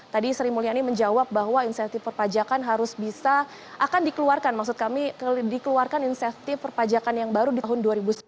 tadi sri mulyani menjawab bahwa insentif perpajakan harus bisa akan dikeluarkan maksud kami dikeluarkan insentif perpajakan yang baru di tahun dua ribu sembilan belas